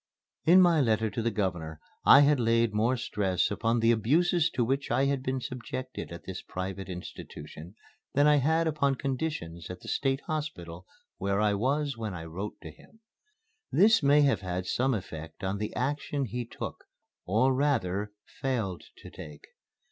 In my letter to the Governor I had laid more stress upon the abuses to which I had been subjected at this private institution than I had upon conditions at the State Hospital where I was when I wrote to him. This may have had some effect on the action he took, or rather failed to take.